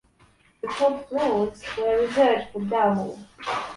The top floors were reserved for Dalmor.